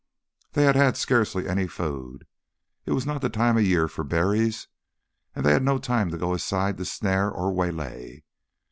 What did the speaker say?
They had had scarcely any food; it was not the time of year for berries, and they had no time to go aside to snare or waylay.